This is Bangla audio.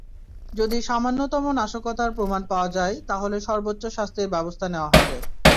যদি সামান্যতম নাশকতার প্রমাণ পাওয়া যায়, তাহলে সর্বোচ্চ শাস্তির ব্যবস্থা নেওয়া হবে।